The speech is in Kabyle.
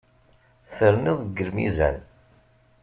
Terniḍ deg lmizan.